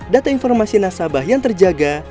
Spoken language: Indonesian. data informasi nasabah yang terjaga